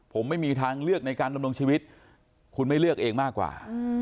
ผมไม่มีทางเลือกในการดำรงชีวิตคุณไม่เลือกเองมากกว่า